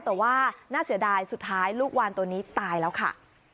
แต่ว่าน่าเสียดายสุดท้ายลูกวานตัวนี้ตายแล้วค่ะ